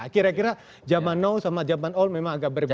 kira kira jaman nol sama jaman ol memang agak berbeda